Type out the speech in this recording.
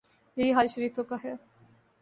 یہی حال شریفوں کا ہے۔